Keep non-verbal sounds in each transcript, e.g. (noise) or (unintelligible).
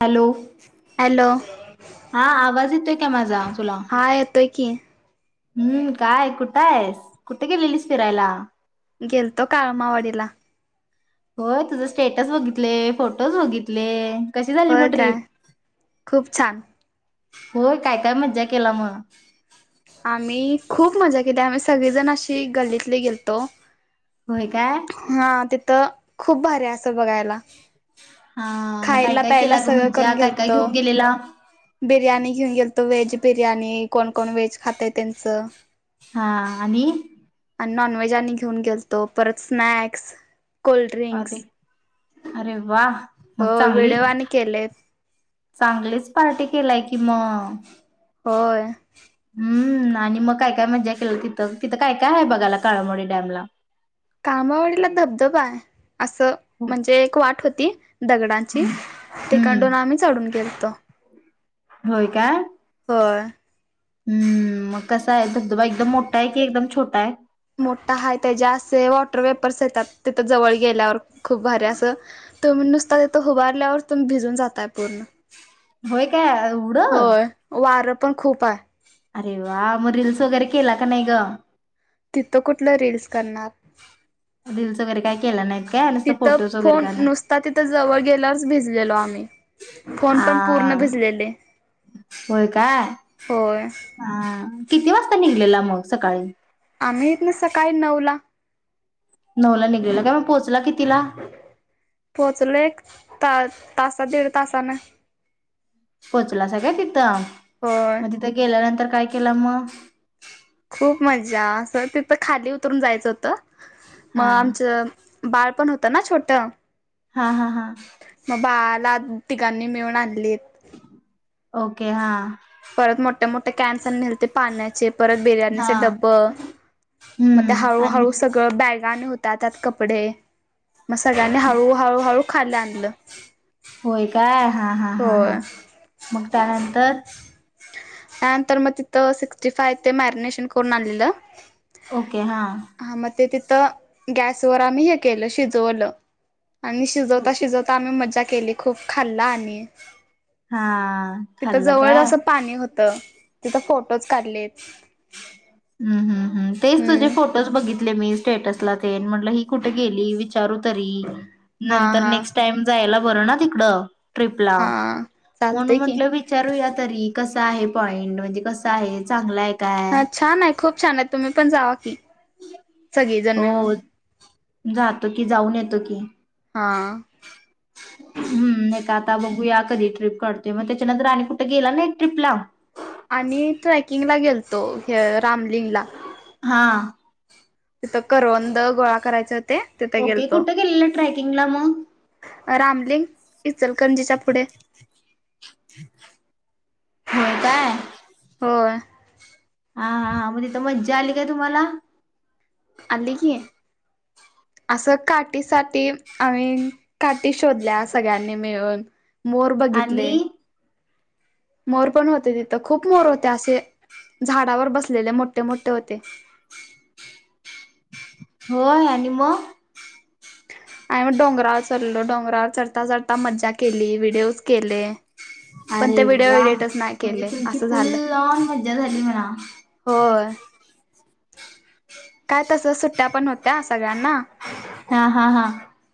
Hello hello हा आवाज येतोय का माझा तुला पकी हम्म काय कुठंयस कुट गेलेलीस फिरायला गेलतो काळमावाडीला होय तुझं स्टेटस बघितले फोटोज बघितले कशी झाली होय मग काय ट्रिप खूप छान होय काय काय मज्जा केला मग आम्ही खूप मज्जा केली आम्ही सगळेजण अशी गल्लीतले गेलतो होय काय हा ते त खूप भारी्य असं बघायला हा मग काय खायला काय प्यायला केला ग सगळं मज्जा करून काय काय गेलत घेऊन गेलेला बिर्याणी घेऊन गेलतो व्हेज बिर्याणी कोण कोण व्हेज खातय त्येंच हा आणि आणि नॉनव्हेज अनी घेऊन गेलतो परत स्नॅक्स कोल्ड्रिंक्स अरे अरे वा हो मग व्हिडिओ चांगलीच आणि केलेत चांगलीच पार्टी केलाय की किम होय आणि मग काय काय मज्जा केला तिथं तिथं काय काय आहे बघायला काळमवाडी डॅम ला कामावडीला धबधबाय असं म्हणजे एक वाट होती दगडांची तिकंडून हम्म आम्ही चढून घेलतो होय काय होय हम्म मग कसा आहे धधबा एकदम मोठाय की एकदम छोटाय मोठा हाय त्याच्या असे वॉटर वेपर्स येतात तिथं जवळ गेल्यावर खूप भारी असं तुम्ही नुसता तिथं उभारल्यावर तुम्ही भिजून जातय पूर्ण होय काय एवड होय वारं पण खूप हाय. अरे वा मग रील्स वगैरे केला का नाय ग? तिथं कुठलं रील्स करणार. रील्स वगैरे काय केला नाही. तिथं फोन नुसता तिथं जवळ गेल्यावरच भिजलेलो आम्ही फोन आ पण पूर्ण भिजलेले होय काय होय. हा किती वाजता निघलेला मग सकाळी? आम्ही इथनं सकाळी नऊ ला. नऊला निघलेला का मग पोहचला कितीला? पोचलो एक ता तासा दीड तासानं. पोचलासा काय तिथं. होय मग तिथं गेल्यानंतर काय केलं मग? खूप मजा असं तिथं खाली उतरून जायचं होतं. मग हा आमचं बाळ पण होत होता ना छोटं. हा हा हा मग बाळाला तिघांनी मिळून आणलीत. ओके हा परत मो मोठ् मोठे कॅन पण नेलते पाण्या चे परत हा बिर्याणीचे डब्बं मग ते हम्म हळू आणि हळू सगळं बॅगा आणि हो त्यात आत कपडे मग सगळ्यांनी हळू हळूहळू खाली आणलं. होय काय हा हा हा हा होय मग त्यानंतर त्यानंतर मग तिथं सिक्स्टी फाय ते मॅरिनेशन करून आणलेलं. ओके हा. त गॅसवर आम्ही हे केलं शिजवलं. आणि शिजवता शिजवता आम्ही मजा केली खूप खाल्लं आणि हा तिथं खाल्लं जवळच काय? असं पाणी होतं. त फोटोच काढलेत ह ह् ह तेच तुझे हम्म फोटोज बघितले मी स्टेटस ला ते न् ही कुठे गेली विच विचारू तरी हा नंतर हा नेक्स्ट टाईम जायला बर ना तिकडं? ट्ररीपला हा म्हणून चालतय की म्हंटलं विचारूया. तरी कसा आहे पॉइंट म्हणजे कस आहे चांगला आहे. काय हा छान आहे. खूप छान आहेत, तुम्ही पण जावा की सगळी जन मिळून. हो जातो की जाऊन येतो की हां हम्म एकका आता बघू या कधी ट्ररीप काढतोय, मग त्याच्यानंतर आणि कुठे गेला नाही ट्ररीपला. आणि ट्रेकिंगला गेलतो रामलिंगला. हा. तिथ करवंद गोळा करायच ओके कुठ गेलेला, ट्रेकिंगला मग? रामलिंग. इचलकरंजीच्या फुढे. होय काय. होय. हा हा मग तिथं मज्जा आली काय तुम्हाला? आली की असं, काठीसाठी आम्ही काठी शोधल्या सगळ्यांनी मिळून. मोर आणि बघितले, मोर पण होते, तिथं खूप मोर होते, असे झाडावर बसलेले मोठे मोठे होते. होय.. आणि मग आणि मग डोंगरावर चढलो, डोंगरावर चढता चढता मज्जा केली व्हिडिओज केले. पण ते अरे व्हिडिओ वा... एडिटच नाही म्हणजे केले तुमची असं झालं फुल्ल आँन मज्जा झाली म्हणा. होय. काय तस सुट्ट्या पण होत्या. (unintelligible) हा हा हा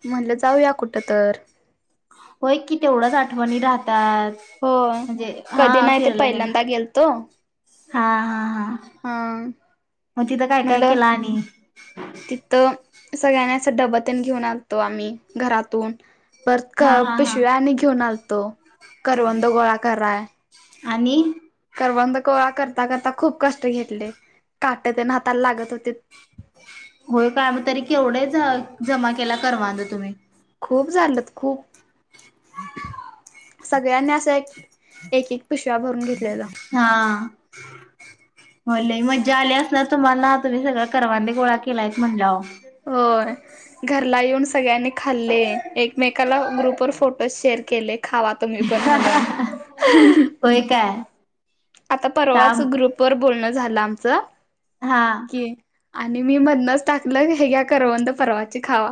म्हणलच जाऊया कुठ तर, होय की तेवढाच आठवणी राह तात, होय. म्हणजे हा कधी नाही ते फिरायला गेलं पहिल्यांदा गेलतो हा, हा, हा, अं मग तिथं काय काय म्हणलं केलं आणि तिथं सगळ्यांना असं डबं तेन घेऊन आलतो आम्ही घरातून, परत क हा हा हा पिशव्या आणि घेऊन आल तो, करवंद गोळा कराय. आणि करवंद गोळा करता करता खूप कष्ट घेतले, काट तेन हाताला लागत होतीत. होय, काय मह तरी केवढेच ज जमा केला करवांद तुम्ही. खूप झालंत, खूप सगळ्यांनी असं, एक एक एक पिशव्या भरून घेत हा. होय, लई मज्जा आली असणार तुम्हांना तुम्ही सगळं करवंद गोळा केलाय म्हणल्यावर. होय. घरला येऊन सगळ्यांनी खाल्ले, एकमेकाला ग्रुपवर फोटोज शेअर केले खावात आहा अहं होय काय? आता परवाच थांब ग्रुपवर बोलणं झालं आमच. हा. आणि मी मधनच टाकलं हे घ्या करवंद परवाचे खावा.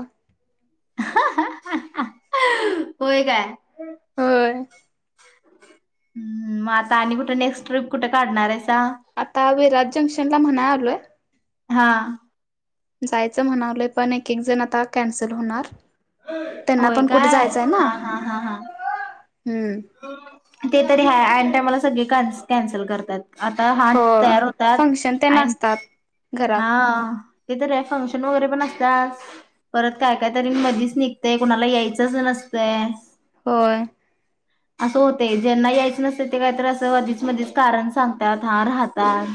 अहं अहं होय काय? हम्म. होय. हम्म. मग आता आणि कुठे नेक्स्ट ट्रिप कुठे काढणार आहेसा? आता विराज जंक्शनला म्हणा आलोय. हा. जायचं म्हणालोय पण एक एक जण आता कॅन्सल होणार. त्यांना होय पण कुठे काय. जायचंय ना हा हा हा हा. हम्म ते तरी हाय ऐन टायमाला सगळी कॅन्सल करतात. आता हो हात तयार होतात फंक्शन ते आणि असतात घरात हा ते तर रे फंक्शन वगैरे पण असतात. परत काय काय तरी मी मधीच निघतेय कुणाला यायचंच नसतंय. होय. असं होतयं ज्यांना यायचं नसत ते काहीतरी असं अधीच मधीच कारण सांगत्यात. हां रहातात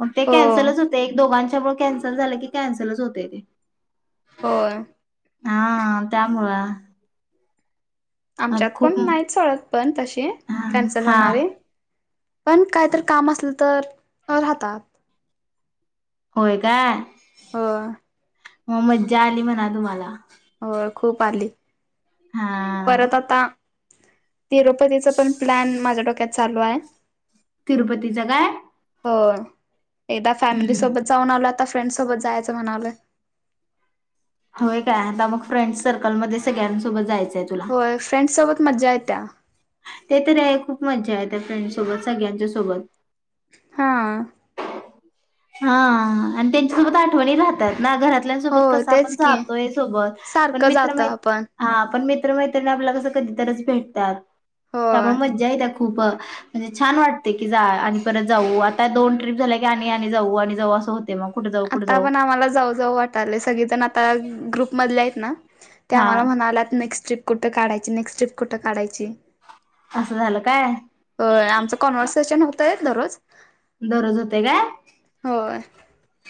मग ते हो कॅन्सलच होतंय एक, दोघांचं त्यामुळं कॅन्सल झालं की कॅन्सलच होतय ते. होयं. हा. त्यामुळं. अ आमच्यात पण खूप नाहीत सोडा पण तसे हा कॅनसल हा होणारे, पण कायतर काम अस तर अ राहतात. होय काय? प म मज्जा आली म्हणा तुम्हाला. होय खूप आली. हा परत आता. तिरुपतीचा पण प्लॅन माझ्या डोक्यात चालू हाय. तिरुपतीचं काय? हो. एकदा फॅमिली हम्म. सोबत जाऊन आलात? आता फ्रेंड सोबत जायचं म्हणालोय. होय, काय आता मग फ्रेंड सर्कलमध्ये सगळ्यांसोबत जायचं. होय, फ्रेंड्स सोबत मज्जा येत. त्या. ते तरी आहे. खूप मज्जा येते फ्रेंड सोबत, सगळ्यांच्या सोबत. हा. हा, आणि त्यांच्यासोबत आठवणीं रहातात ना घरातल्यानं सोबत हो कस आपण तेच की जातोय सोबत पण सारखं जातो मित्र-मैत्री आपण आं पण मैत्रिणी आपल्या कस कधीतरीच भेटतात. त्यामुळे होय मज्जा येत्या. खूप म्हणजे, छान वाटतयं की जा आणि परत जाऊ आता दोन ट्रिप झाल्या की आणि आणि जाऊ आणि जाऊ असं हो आता पण आम्हाला जाऊ जाऊ वाटाले सगळेजण आता ग्रुप मधले आहेत ना. ते हा आम्हाला म्हणाल्यात नेक्स्ट ट्रिप कुठ काढायची नेक्स्ट ट्रिप कुठं काढायची. असं झालं काय होय आमच कॉन्वर्सेशन होत. (unintelligible) रोज. दररोज होतय काय. होय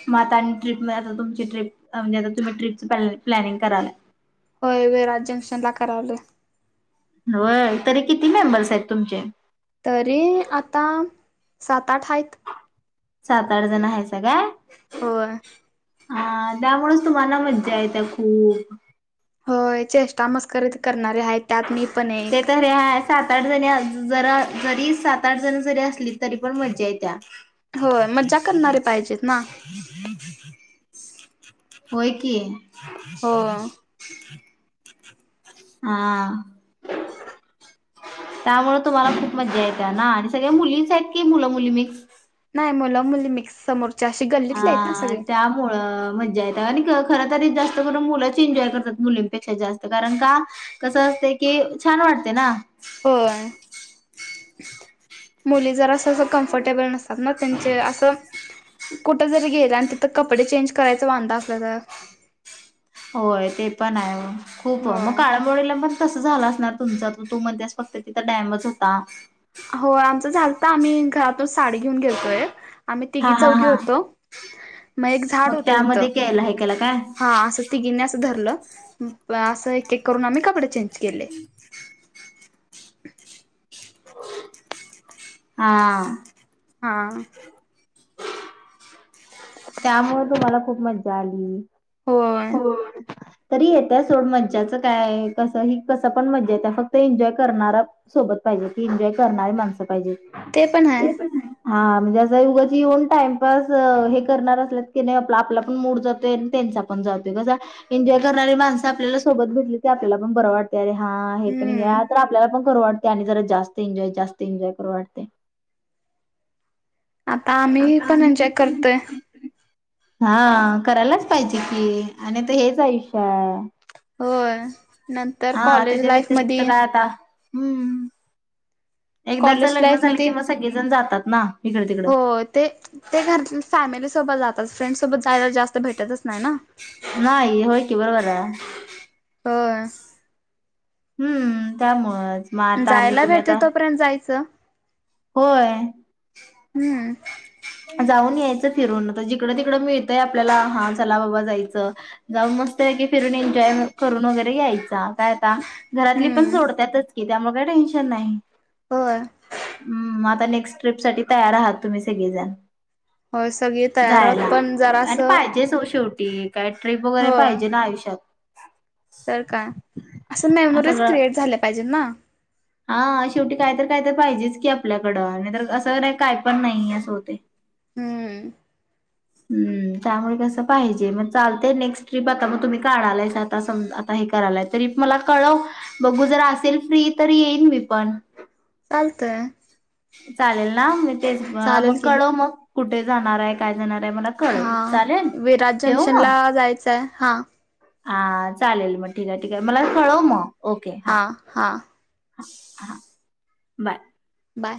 मग आता आणि ट्रिप म आता तुमची ट्रिप (unintelligible) ट्रिपच प्लॅनिंग करालय. होय, विराज जंक्शन ला करालोय. होय, तरी किती मेंबर्स आहेत तुमचे? तरी आता सात-आठ आहेत. सात-आठ जण आहे स (unintelligible) होय. हा, त्यामुळेच तुम्हाला मज्जा येत्या खूप. होय, चेष्टा मस्करीच करणारे आहेत. त्यात मी पण ते एक तरी आहे. सात-आठ जणी अजून जरा जरी सात-आठ जण जरी असलीत तरी पण मज्जा येत्या. (inaudible) होय मज्जा करणारे पाहिजेत ना होय, कि. हो (inaudible) हा. त्यामुळे तुम्हाला खूप मजा येत्या ना आणि सगळ्या मुलीच आहेत की मुलं मुली मिक्स? मुलं मुली मिक्स समोर. हा, त्यामुळं मज आणि खरंतरी जास्त करून मुलंच एन्जॉय करतात मुलींपेक्षा जास्त कारण का कसं असते की छान वाटते ना. होय. मुली जर असं अस कम्फर्टेबल नसतात ना त्यांचे असं कुठं जरी गेलं आणि तिथं कपडे चेंज करायच वांध असलं तर. होय ते पण आहे. खूप मग हो. काळमवाडी ला पण कसं झालं असणार तुमच, त तू म्हणतेस फक्त तिथं डॅमच होता हो आमचं झालत, आम्ही घरातूनच साडी घेऊन गेलेतो एक. आम्ही हा तिघी हा चौघी हा होतो. (inaudible) मग एक झाड मग होत तिथं, त्यामध्ये केला हे केला काय हा असं तिघींनी असं धरलं असं एक एक करून आम्ही कपडे चेंज केले. हा. हा. त्यामुळे तुम्हाला मला खूप मज्जा आली. होय. हो. तरी येत्या सोड मज्याच काय कसं ही कसं पण मज्या येत्या, फक्त एन्जॉय करणारा सोबत पाहिजे, की एन्जॉय करणारी माणसं पाहिजेत. ते पण आहे. हा म्हणजे असं येऊन उगाच टाइमपास हे करणार असल्या की नाही आप आपला पण मूड जातोय त्यांचा पण जातोय कसा एन्जॉय करणारी माणसं आपल्याला सोबत भेटली आपल्याला पण बरं वाटते. हा हे पण हम्म तर आपल्याला पण करू वाटते आणि जरा जास्त एन्जॉय जास्त एन्जॉय करू वाटते. आता आम्ही पण एन्जॉय करतोय हा करायलाच पाहिजे की आणि हेच आयुष्य हाय. होय. नंतर कॉलेज त्याच्या लाईफ व्यतिरिक्त मध्ये काय आता हम्म. एकदाच कॉलेज लग्न लाईफ झालं मध्ये कि मग सगळेजण जातात. ना. इकडे तिकडं हो ते ते घरच फॅमि ली सोबत जातत. फ्रेंड्स सोबत जायला जास्त भेटतच नाही ना. नाही होय की बरोबर आहे. होय. हम्म त्यामुळे. जायला भेटते तोपर्यंत जायचं. होय हम्म. जाऊन यायचं फिरून जर जिकडं तिकडं मिळतय आपल्याला हा चला बाबा जायचं जाऊन मस्त पैकी फिरून एन्जॉय करून वगैरे यायचा. काय आता घरातली पण हम्म सोडत्यातच की त्यामुळे काही टेन्शन नाही. होय हम् म ता नेक्स्ट ट्रिपसाठी तयार आहात तुम्ही सगळेजण हो सगळी तयारात पण जरा असं ते काय ट्रिप वगैरे पाहिजे ना आयुष्यात. तर का असं मेमरीज सगळं क्रिएट झाल्या पाहिजेत ना. हा शेवटी कायत काय तर पाहिजेच की आपल्याकडं आणि तर काय पण नाही अस होते. हम्म हम्म त्यामुळे कसं पाहिजे मग चालते नेक्स्ट ट्रीप आता मग तुम्ही काढालाय आता सम आता हे करायलाय तरी मला कळव बघू जर असेल फ्री तर येईन मी पण. चालते चालेल ना ना तेच ब मग की कळ मग कुठ ते जाणार आहे कायणार हा विराट जंक्शन मग ला जायचंय हा हा चालेल मट ठीक आहे ठीक आहे मला कळव मग ओके हा हां हां बाय बाय